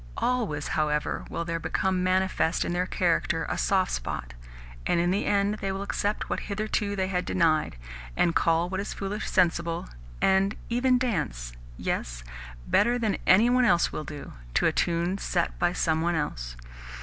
Always, however, will there become manifest in their character a soft spot, and in the end they will accept what hitherto they have denied, and call what is foolish sensible, and even dance yes, better than any one else will do to a tune set by some one else.